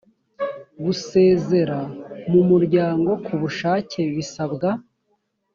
gusezera mu muryango ku bushake bisabwa